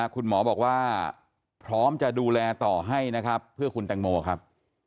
คุณหมอบอกว่าพร้อมจะดูแลต่อให้นะครับเพื่อคุณแตงโมครับ